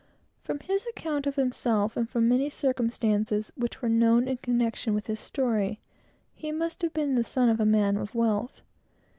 From his own account of himself, and from many circumstances which were known in connection with his story, he must have been the son of a man of wealth.